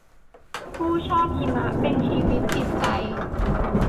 ผู้ชอบหิมะเป็นชีวิตจิตใจ